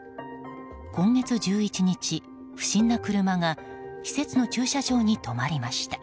今月１１日、不審な車が施設の駐車場に止まりました。